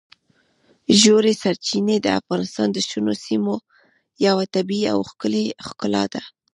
ژورې سرچینې د افغانستان د شنو سیمو یوه طبیعي او ښکلې ښکلا ده.